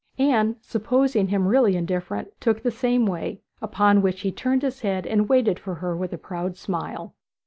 Anne, supposing him really indifferent, took the same way, upon which he turned his head and waited for her with a proud smile.